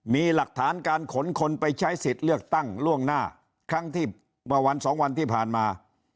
มีหลักฐานการขนคนไปใช้สิทธิ์เลือกตั้งล่วงหน้าครั้งที่เมื่อวันสองวันที่ผ่านมา